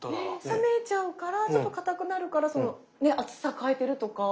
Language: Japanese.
冷めちゃうからちょっとかたくなるからその厚さ変えてるとか。